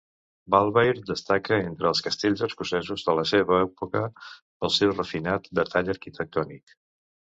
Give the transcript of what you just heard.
Balvaird destaca entre els castells escocesos de la seva època pel seu refinat detall arquitectònic.